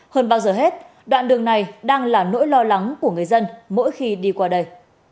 hơn bao giờ hết đoạn đường này đang là nỗi lo lắng của người dân mỗi khi đi qua đây